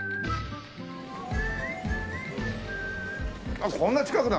あっこんな近くだ。